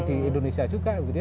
di indonesia juga